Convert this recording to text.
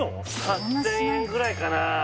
８０００円ぐらいかな